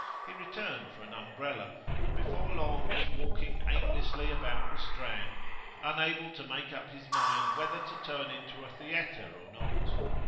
He returned for an umbrella, and before long was walking aimlessly about the Strand, unable to make up his mind whether to turn into a theatre or not.